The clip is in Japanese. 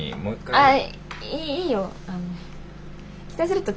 はい。